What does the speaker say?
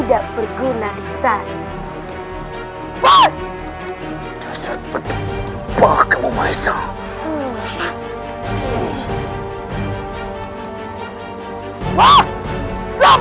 dan mereka semua pengecut